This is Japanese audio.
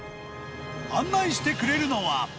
案内してくれるのは。